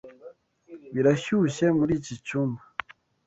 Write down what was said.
Birashyushye muri iki cyumba.